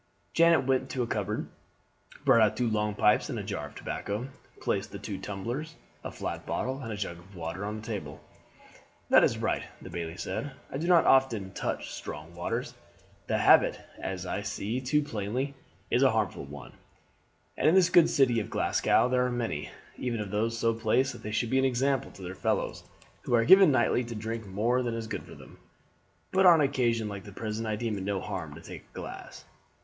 Janet went to a cupboard, brought out two long pipes and a jar of tobacco, placed two tumblers, a flat bottle, and a jug of water on the table. "That is right," the bailie said. "I do not often touch strong waters. The habit, as I see too plainly, is a harmful one, and in this good city of Glasgow there are many, even of those so placed that they should be an example to their fellows, who are given nightly to drink more than is good for them; but on an occasion like the present I deem it no harm to take a glass."